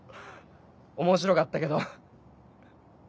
面白かったけど。